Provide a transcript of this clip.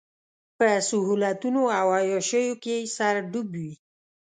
په سهولتونو او عياشيو کې يې سر ډوب وي.